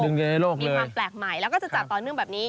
มีความแปลกใหม่แล้วก็จะจัดต่อเนื่องแบบนี้